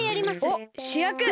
おっしゅやく！